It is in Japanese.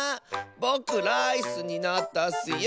ぼくライスになったッスよ！